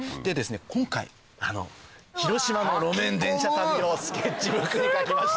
今回広島の路面電車旅をスケッチブックに描きました。